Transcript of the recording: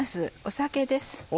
酒です。